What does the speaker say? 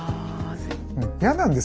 嫌なんですよ